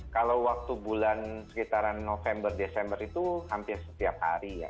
kalau waktu bulan sekitaran november desember itu hampir setiap hari ya